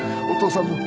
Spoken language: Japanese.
お父さん！